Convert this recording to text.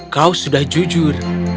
kau sudah jujur